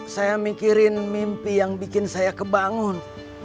saya mikirin mimpi yang bikin saya kebangun